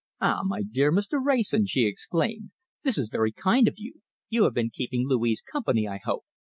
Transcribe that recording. "Ah! my dear Mr. Wrayson," she exclaimed, "this is very kind of you. You have been keeping Louise company, I hope.